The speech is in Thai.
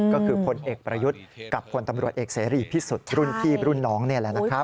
ก็คือพลเอกประยุทธ์กับคนตำรวจเอกเสรีพิสุทธิ์รุ่นพี่รุ่นน้องนี่แหละนะครับ